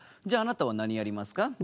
じゃあなたは何やりますか？